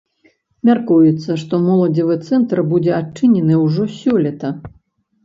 Мяркуецца, што моладзевы цэнтр будзе адчынены ўжо сёлета.